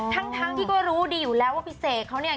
ทั้งที่ก็รู้ดีอยู่แล้วว่าพี่เสกเขาเนี่ย